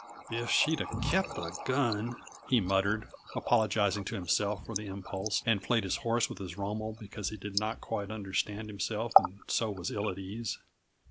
"If she'd kept the gun " he muttered, apologizing to himself for the impulse, and flayed his horse with his romal because he did not quite understand himself and so was ill at ease.